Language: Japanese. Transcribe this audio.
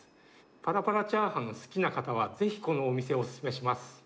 ぱらぱらチャーハンの好きな方は、ぜひこのお店をお勧めします。